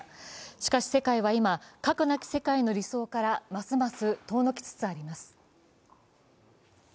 しかし世界は今、核なき世界の理想からますます遠のきつつあります。